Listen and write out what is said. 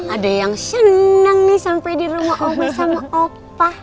ada yang senang nih sampai di rumah opa sama opa